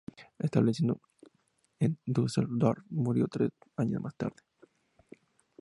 Establecido en Düsseldorf, murió tres años más tarde.